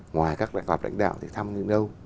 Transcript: ngoài các đại học lãnh đạo thì thăm như đâu